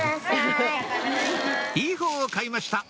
いいほうを買いました